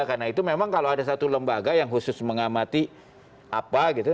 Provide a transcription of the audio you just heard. karena itu memang kalau ada satu lembaga yang khusus mengamati apa gitu